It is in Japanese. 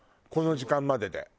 この時間までで。